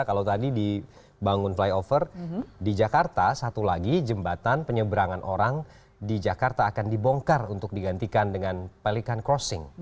kalau tadi dibangun flyover di jakarta satu lagi jembatan penyeberangan orang di jakarta akan dibongkar untuk digantikan dengan pelikan crossing